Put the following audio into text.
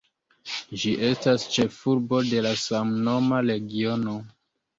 Ĝi estas ĉefurbo de la samnoma regiono.